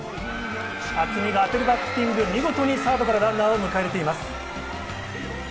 渥美が当てるバッティング見事にサードからランナーを迎えています。